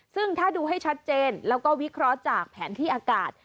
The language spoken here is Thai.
ซึ่งถ้าดูให้ชัดเจนแล้วก็วิเคราะห์จากแผนที่อากาศ